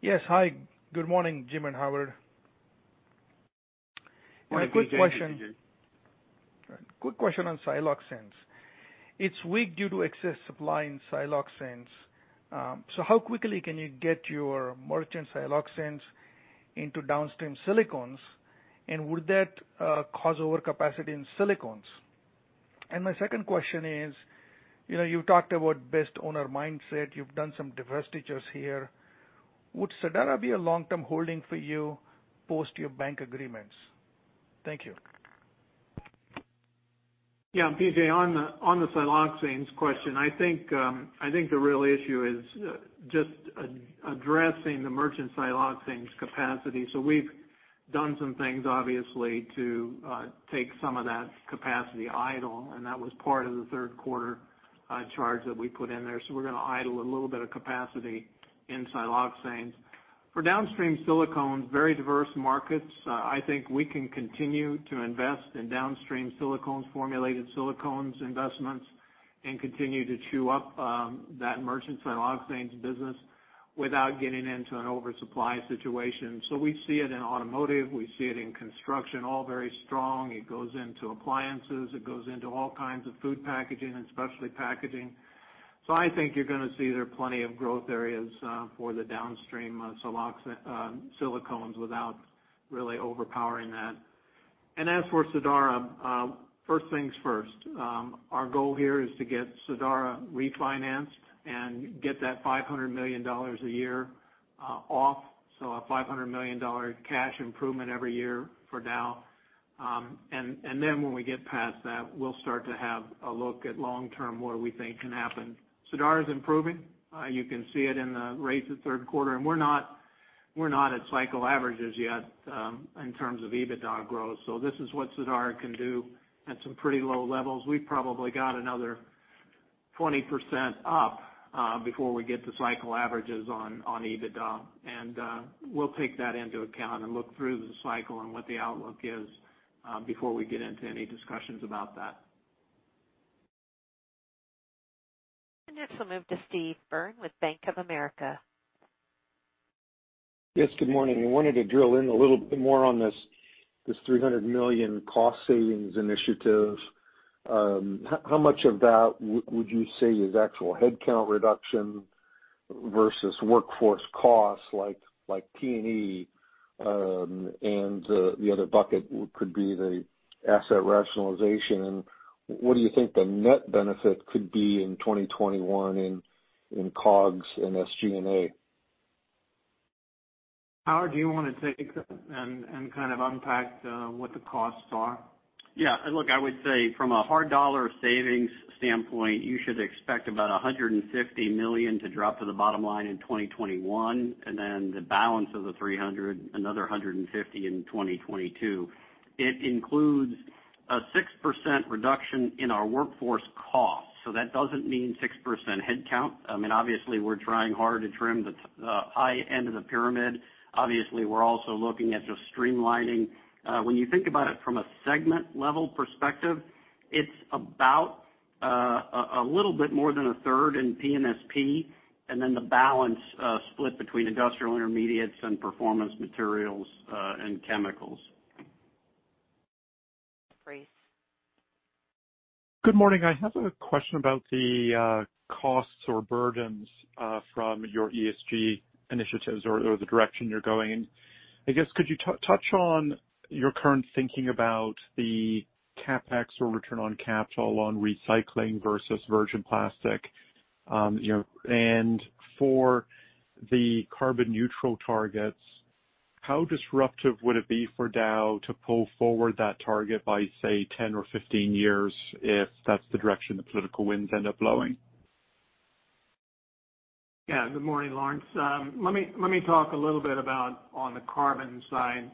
Yes. Hi, good morning, Jim and Howard. Morning, PJ. Quick question on siloxanes. It's weak due to excess supply in siloxanes. How quickly can you get your merchant siloxanes into downstream silicones, and would that cause overcapacity in silicones? My second question is, you talked about best owner mindset. You've done some divestitures here. Would Sadara be a long-term holding for you post your bank agreements? Thank you. PJ, on the siloxanes question, I think the real issue is just addressing the merchant siloxanes capacity. We've done some things, obviously, to take some of that capacity idle, and that was part of the third quarter charge that we put in there. We're going to idle a little bit of capacity in siloxanes. For downstream silicone, very diverse markets. I think we can continue to invest in downstream silicones, formulated silicones investments, and continue to chew up that merchant siloxanes business without getting into an oversupply situation. We see it in automotive, we see it in construction, all very strong. It goes into appliances. It goes into all kinds of food packaging and specialty packaging. I think you're going to see there are plenty of growth areas for the downstream silicones without really overpowering that. As for Sadara, first things first. Our goal here is to get Sadara refinanced and get that $500 million a year off. A $500 million cash improvement every year for Dow. When we get past that, we'll start to have a look at long-term, what we think can happen. Sadara's improving. You can see it in the rates of third quarter, and we're not at cycle averages yet in terms of EBITDA growth. This is what Sadara can do at some pretty low levels. We probably got another 20% up before we get to cycle averages on EBITDA. We'll take that into account and look through the cycle and what the outlook is before we get into any discussions about that. Next we'll move to Steve Byrne with Bank of America. Yes, good morning. I wanted to drill in a little bit more on this $300 million Cost Savings Initiative. How much of that would you say is actual headcount reduction versus workforce costs, like T&E and the other bucket could be the asset rationalization. What do you think the net benefit could be in 2021 in COGS and SG&A? Howard, do you want to take that and kind of unpack what the costs are? Yeah, look, I would say from a hard dollar savings standpoint, you should expect about $150 million to drop to the bottom line in 2021, and then the balance of the $300, another $150 in 2022. It includes a 6% reduction in our workforce costs. That doesn't mean 6% headcount. Obviously, we're trying hard to trim the high end of the pyramid. Obviously, we're also looking at just streamlining. When you think about it from a segment-level perspective, it's about a little bit more than a third in P&SP, and then the balance split between industrial intermediates and performance materials and chemicals. We'll move on to Laurence Alexander with Jefferies. Good morning. I have a question about the costs or burdens from your ESG initiatives or the direction you're going in. I guess, could you touch on your current thinking about the CapEx or return on capital on recycling versus virgin plastic? For the carbon neutral targets, how disruptive would it be for Dow to pull forward that target by, say, 10 or 15 years if that's the direction the political winds end up blowing? Good morning, Laurence. Let me talk a little bit about on the carbon side.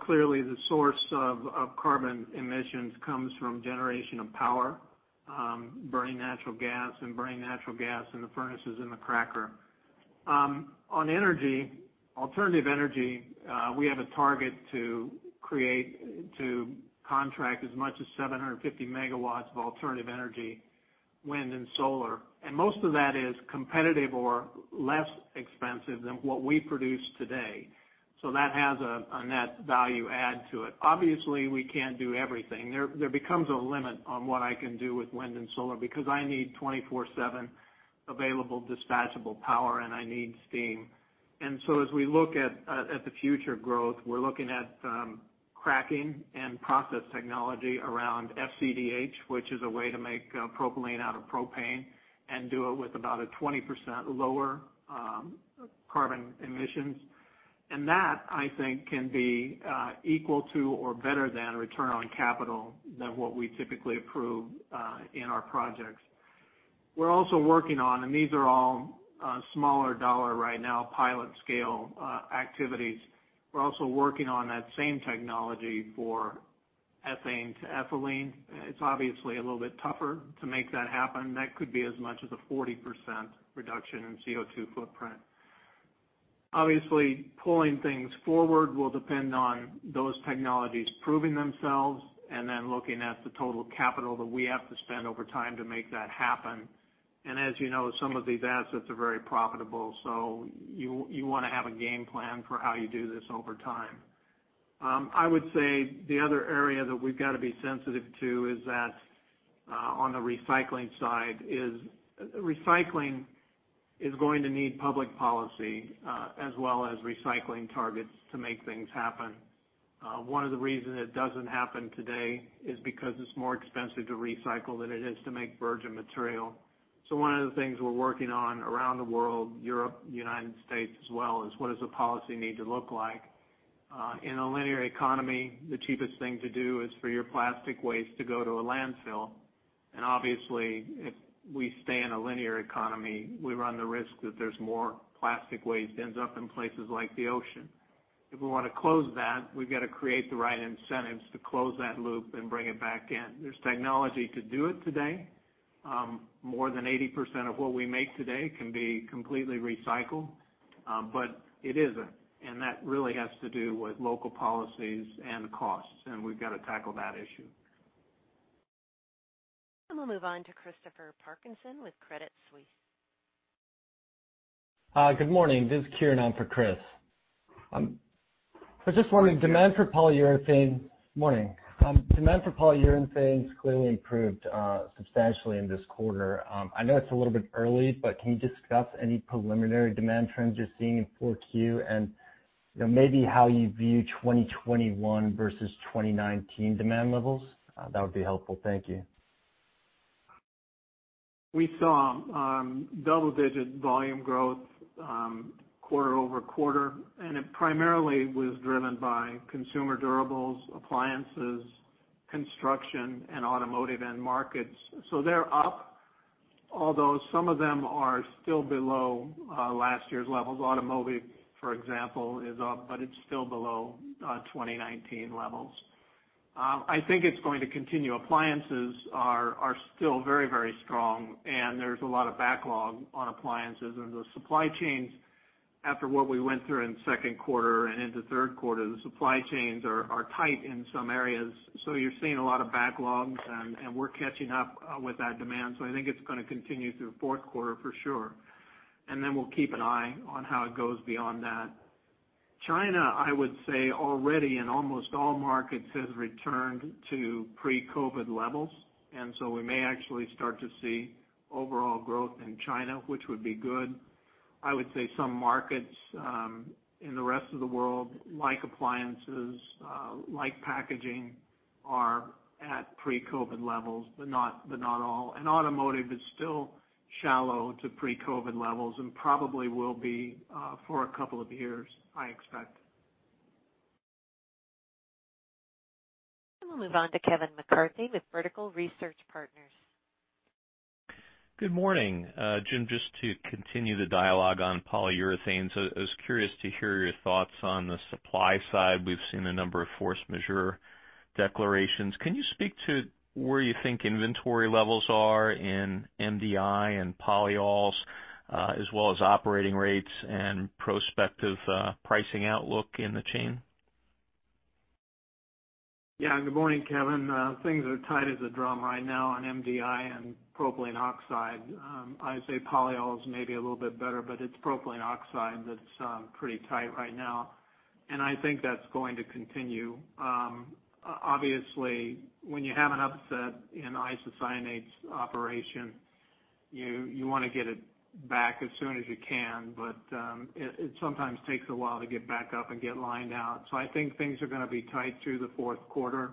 Clearly, the source of carbon emissions comes from generation of power, burning natural gas and burning natural gas in the furnaces in the cracker. On energy, alternative energy, we have a target to contract as much as 750 MW of alternative energy, wind, and solar. Most of that is competitive or less expensive than what we produce today. That has a net value add to it. Obviously, we can't do everything. There becomes a limit on what I can do with wind and solar because I need 24/7 available dispatchable power, and I need steam. As we look at the future growth, we're looking at cracking and process technology around FCDH, which is a way to make propylene out of propane and do it with about a 20% lower carbon emissions. That, I think, can be equal to or better than a return on capital than what we typically approve in our projects. We're also working on, and these are all smaller dollar right now, pilot scale activities. We're also working on that same technology for ethane to ethylene. It's obviously a little bit tougher to make that happen. That could be as much as a 40% reduction in CO₂ footprint. Obviously, pulling things forward will depend on those technologies proving themselves, and then looking at the total capital that we have to spend over time to make that happen. As you know, some of these assets are very profitable, so you want to have a game plan for how you do this over time. I would say the other area that we've got to be sensitive to is that on the recycling side is, recycling is going to need public policy as well as recycling targets to make things happen. One of the reasons it doesn't happen today is because it's more expensive to recycle than it is to make virgin material. One of the things we're working on around the world, Europe, U.S. as well, is what does a policy need to look like? In a linear economy, the cheapest thing to do is for your plastic waste to go to a landfill. Obviously, if we stay in a linear economy, we run the risk that there's more plastic waste ends up in places like the ocean. If we want to close that, we've got to create the right incentives to close that loop and bring it back in. There's technology to do it today. More than 80% of what we make today can be completely recycled. It isn't, and that really has to do with local policies and costs, and we've got to tackle that issue. We'll move on to Christopher Parkinson with Credit Suisse. Hi. Good morning. This is Kieran in for Chris. I was just wondering, demand for polyurethane. Demand for polyurethanes clearly improved substantially in this quarter. I know it's a little bit early, but can you discuss any preliminary demand trends you're seeing in Q4 and maybe how you view 2021 versus 2019 demand levels? That would be helpful. Thank you. We saw double-digit volume growth quarter-over-quarter. It primarily was driven by consumer durables, appliances, construction, and automotive end markets. They're up, although some of them are still below last year's levels. Automotive, for example, is up. It's still below 2019 levels. I think it's going to continue. Appliances are still very strong. There's a lot of backlog on appliances and the supply chains after what we went through in the second quarter and into the third quarter, the supply chains are tight in some areas. You're seeing a lot of backlogs. We're catching up with that demand. I think it's going to continue through the fourth quarter for sure. We'll keep an eye on how it goes beyond that. China, I would say, already in almost all markets, has returned to pre-COVID-19 levels, and so we may actually start to see overall growth in China, which would be good. I would say some markets in the rest of the world, like appliances, like packaging, are at pre-COVID-19 levels, but not all. Automotive is still shallow to pre-COVID-19 levels and probably will be for a couple of years, I expect. We'll move on to Kevin McCarthy with Vertical Research Partners. Good morning. Jim, just to continue the dialogue on polyurethanes, I was curious to hear your thoughts on the supply side. We've seen a number of force majeure declarations. Can you speak to where you think inventory levels are in MDI and polyols as well as operating rates and prospective pricing outlook in the chain? Yeah. Good morning, Kevin. Things are tight as a drum right now on MDI and propylene oxide. I'd say polyol is maybe a little bit better, but it's propylene oxide that's pretty tight right now, and I think that's going to continue. Obviously, when you have an upset in isocyanates operation, you want to get it back as soon as you can, but it sometimes takes a while to get back up and get lined out. I think things are going to be tight through the fourth quarter,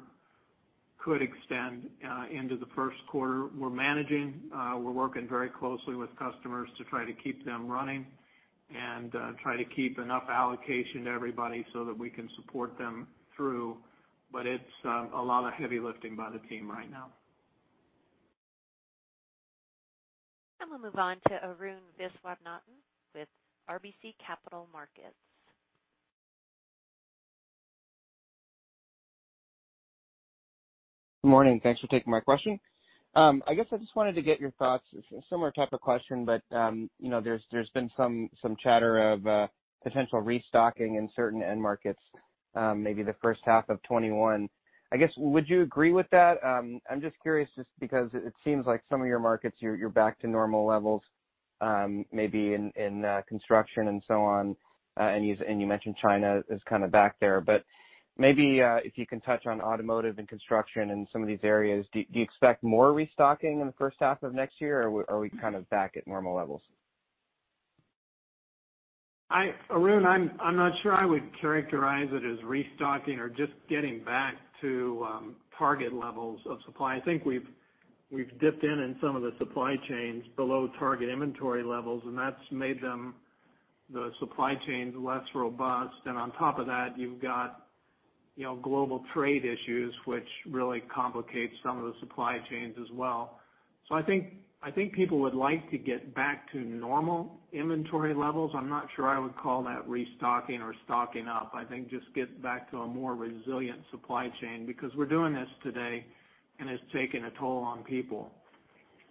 could extend into the first quarter. We're managing, we're working very closely with customers to try to keep them running and try to keep enough allocation to everybody so that we can support them through. It's a lot of heavy lifting by the team right now. We'll move on to Arun Viswanathan with RBC Capital Markets. Good morning. Thanks for taking my question. I guess I just wanted to get your thoughts, similar type of question, but there's been some chatter of potential restocking in certain end markets maybe the first half of 2021. I guess, would you agree with that? I'm just curious just because it seems like some of your markets, you're back to normal levels maybe in construction and so on, and you mentioned China is back there. Maybe if you can touch on automotive and construction and some of these areas, do you expect more restocking in the first half of next year, or are we back at normal levels? Arun, I'm not sure I would characterize it as restocking or just getting back to target levels of supply. I think we've dipped in some of the supply chains below target inventory levels, and that's made the supply chains less robust. On top of that, you've got global trade issues, which really complicates some of the supply chains as well. I think people would like to get back to normal inventory levels. I'm not sure I would call that restocking or stocking up. I think just get back to a more resilient supply chain because we're doing this today, and it's taken a toll on people.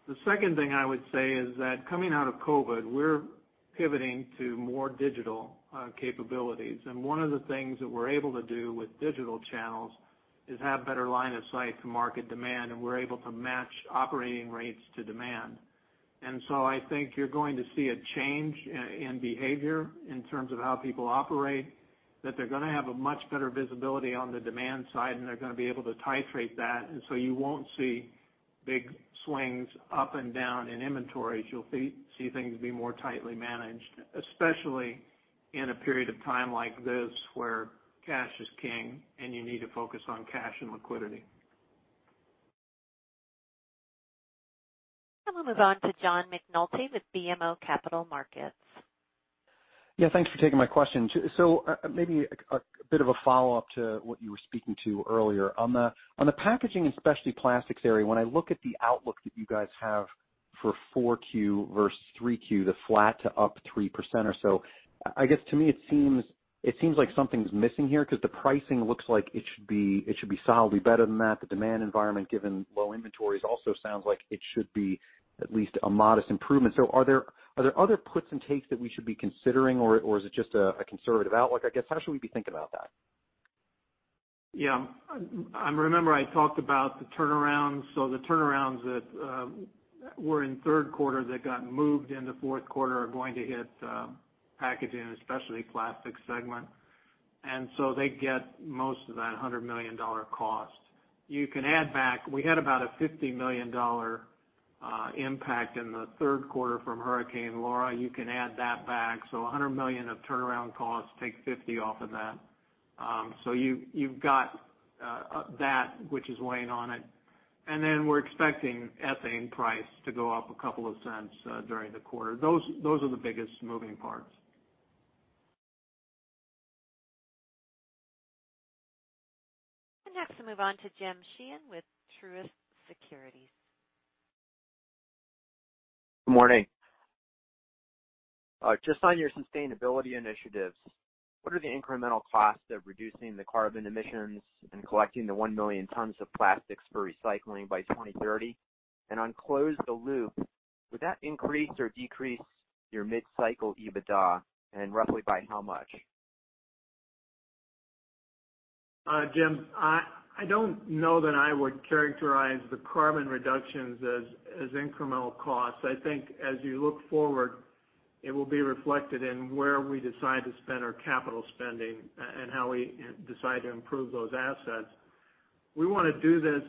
The second thing I would say is that coming out of COVID-19, we're pivoting to more digital capabilities. One of the things that we're able to do with digital channels is have better line of sight to market demand, and we're able to match operating rates to demand. I think you're going to see a change in behavior in terms of how people operate, that they're going to have a much better visibility on the demand side, and they're going to be able to titrate that. You won't see big swings up and down in inventories. You'll see things be more tightly managed, especially in a period of time like this, where cash is king and you need to focus on cash and liquidity. Now we'll move on to John McNulty with BMO Capital Markets. Yeah, thanks for taking my question. Maybe a bit of a follow-up to what you were speaking to earlier. On the packaging, especially plastics area, when I look at the outlook that you guys have for 4Q versus 3Q, the flat to up 3% or so, I guess to me it seems like something's missing here because the pricing looks like it should be solidly better than that. The demand environment, given low inventories, also sounds like it should be at least a modest improvement. Are there other puts and takes that we should be considering? Is it just a conservative outlook, I guess? How should we be thinking about that? Yeah. Remember I talked about the turnarounds. The turnarounds that were in third quarter that got moved into fourth quarter are going to hit Packaging & Specialty Plastics segment. They get most of that $100 million cost. You can add back, we had about a $50 million impact in the third quarter from Hurricane Laura. You can add that back. $100 million of turnaround costs, take $50 off of that. You've got that which is weighing on it. We're expecting ethane price to go up a couple of cents during the quarter. Those are the biggest moving parts. Next, we'll move on to Jim Sheehan with Truist Securities. Good morning. Just on your sustainability initiatives, what are the incremental costs of reducing the carbon emissions and collecting the 1 million tons of plastics for recycling by 2030? On Close the Loop, would that increase or decrease your mid-cycle EBITDA, and roughly by how much? Jim, I don't know that I would characterize the carbon reductions as incremental costs. I think as you look forward, it will be reflected in where we decide to spend our capital spending and how we decide to improve those assets. We want to do this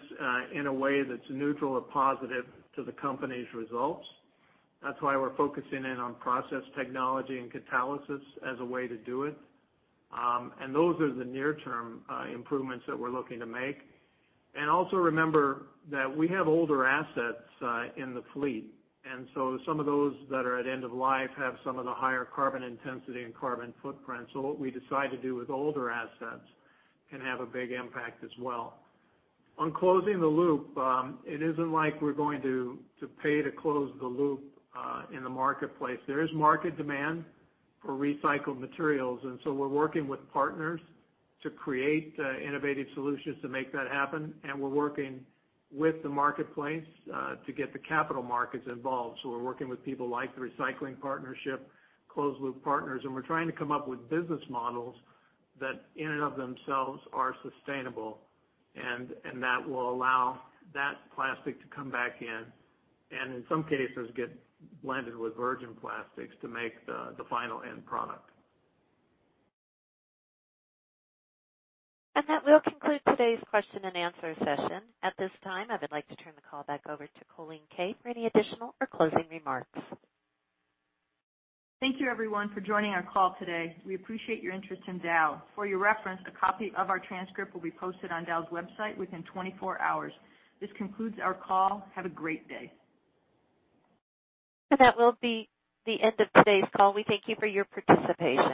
in a way that's neutral or positive to the company's results. That's why we're focusing in on process technology and catalysis as a way to do it. Those are the near-term improvements that we're looking to make. Also remember that we have older assets in the fleet, and so some of those that are at end of life have some of the higher carbon intensity and carbon footprint. What we decide to do with older assets can have a big impact as well. On Closing the Loop, it isn't like we're going to pay to close the loop in the marketplace. There is market demand for recycled materials. We're working with partners to create innovative solutions to make that happen. We're working with the marketplace to get the capital markets involved. We're working with people like The Recycling Partnership, Closed Loop Partners, and we're trying to come up with business models that in and of themselves are sustainable and that will allow that plastic to come back in and, in some cases, get blended with virgin plastics to make the final end product. That will conclude today's question and answer session. At this time, I would like to turn the call back over to Colleen Kay for any additional or closing remarks. Thank you everyone for joining our call today. We appreciate your interest in Dow. For your reference, a copy of our transcript will be posted on Dow's website within 24 hours. This concludes our call. Have a great day. That will be the end of today's call. We thank you for your participation.